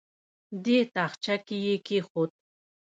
دې تاخچه کې یې کېښود.